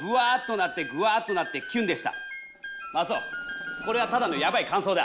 マツオこれはただのやばい感想だ。